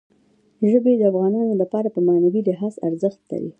ژبې د افغانانو لپاره په معنوي لحاظ ارزښت لري.